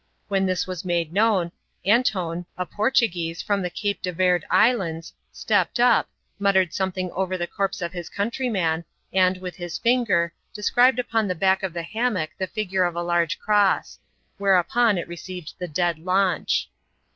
When this was made known, Antone, a Portuguese, from the Cape de Verd Islands, stuped up, muttered something over the corpse of his country man, and, with his finger, described upon the back of the ham fiftoek the figure of a large cross ; whereupon it received the dead launch.